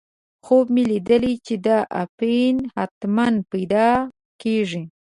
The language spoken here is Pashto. خوب مې لیدلی چې دا اپین حتماً پیدا کېږي.